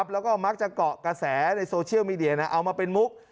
แล้วก็มักจะเกาะกระแสในโซเชียลเป็นมุข